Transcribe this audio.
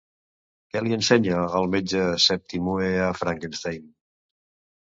Què li ensenya el metge Septimue a Frankenstein?